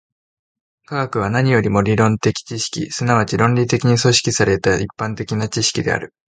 科学は何よりも理論的知識、即ち論理的に組織された一般的な知識である。